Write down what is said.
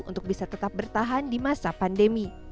untuk bisa tetap bertahan di masa pandemi